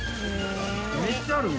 めっちゃあるね。